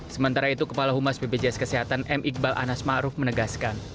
sementara itu kepala humas bpjs kesehatan m iqbal anas ⁇ maruf ⁇ menegaskan